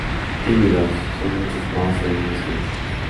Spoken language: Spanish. Tímidos, son mucho más oídos que vistos.